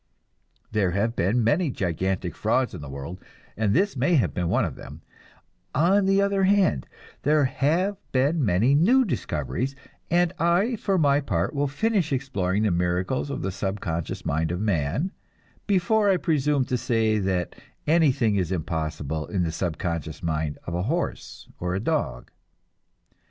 There have been many gigantic frauds in the world, and this may have been one of them; on the other hand, there have been many new discoveries, and for my part I will finish exploring the miracles of the subconscious mind of man, before I presume to say that anything is impossible in the subconscious mind of a horse or a dog.